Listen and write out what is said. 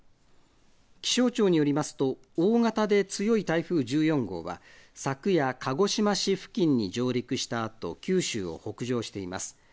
気象庁によりますと大型で強い台風１４号は昨夜鹿児島市付近に上陸したあと九州を北上しています。